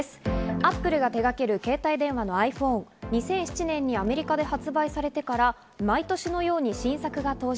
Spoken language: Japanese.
Ａｐｐｌｅが手がける携帯電話のｉＰｈｏｎｅを２００７年にアメリカで発売されてから毎年のように新作が登場。